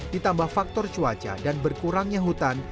ditambah faktor cuaca dan berkurangnya hutan